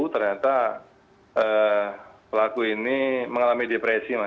ternyata pelaku ini mengalami depresi mas